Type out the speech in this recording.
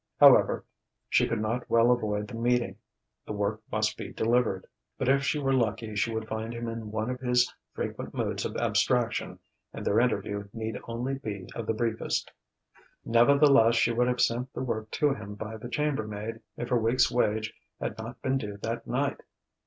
However, she could not well avoid the meeting: the work must be delivered; but if she were lucky she would find him in one of his frequent moods of abstraction, and their interview need only be of the briefest. Nevertheless, she would have sent the work to him by the chambermaid if her week's wage had not been due that night.